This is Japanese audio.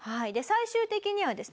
最終的にはですね